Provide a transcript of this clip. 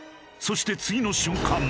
そして次の瞬間。